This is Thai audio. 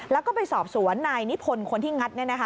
แล้วก็ไปสอบสวนนายนิพนธ์คนที่งัด